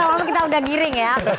nanti malam kita udah giring ya